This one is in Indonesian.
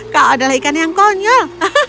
kau adalah ikan yang konyol